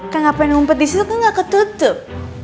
kan ngapain numpet disitu kan gak ketutup